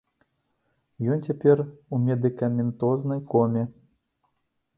Ён цяпер у медыкаментознай коме.